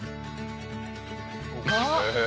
へえ！